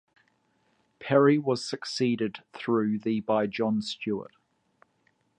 Parry was succeeded through the by John Stewart.